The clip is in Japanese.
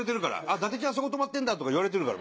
伊達ちゃんそこ泊まってんだとか言われてるから。